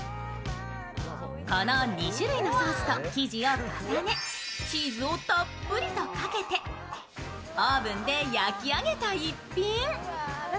この２種類のソースと生地を重ねチーズをたっぷりとかけてオーブンで焼き上げた一品。